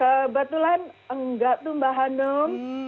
kebetulan enggak tuh mbak hanum